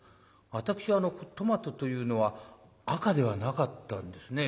私トマトというのは赤ではなかったんですね。